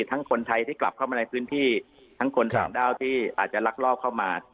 คนไทยที่กลับเข้ามาในพื้นที่ทั้งคนต่างด้าวที่อาจจะลักลอบเข้ามา